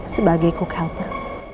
sebagai cook helper